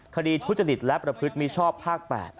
ทุจริตและประพฤติมิชชอบภาค๘